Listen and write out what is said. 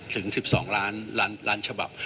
ถึง๑๒ล้านฉบับ